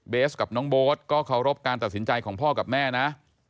กับน้องโบ๊ทก็เคารพการตัดสินใจของพ่อกับแม่นะ